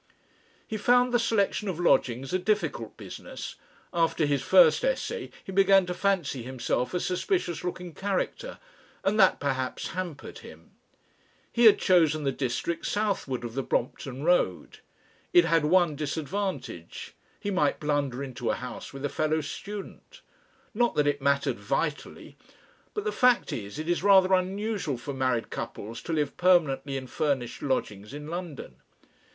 He found the selection of lodgings a difficult business. After his first essay he began to fancy himself a suspicious looking character, and that perhaps hampered him. He had chosen the district southward of the Brompton Road. It had one disadvantage he might blunder into a house with a fellow student.... Not that it mattered vitally. But the fact is, it is rather unusual for married couples to live permanently in furnished lodgings in London.